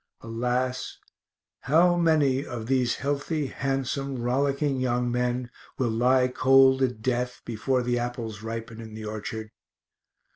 Alas! how many of these healthy, handsome, rollicking young men will lie cold in death before the apples ripen in the orchard.